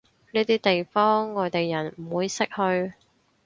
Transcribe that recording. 呢啲地方外地人唔會識去